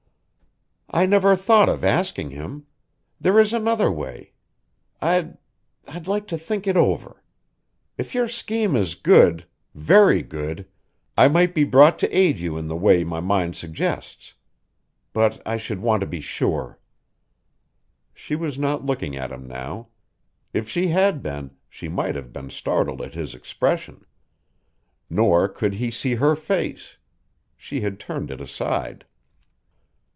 "I never thought of asking him. There is another way. I'd I'd like to think it over. If your scheme is good very good, I might be brought to aid you in the way my mind suggests. But I should want to be sure." She was not looking at him now. If she had been, she might have been startled at his expression. Nor could he see her face; she had turned it aside.